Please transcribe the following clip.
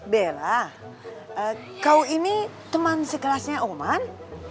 bella kau ini teman sekelasnya oman